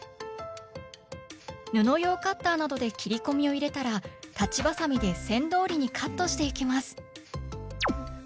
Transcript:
布用カッターなどで切り込みを入れたら裁ちばさみで線どおりにカットしていきます。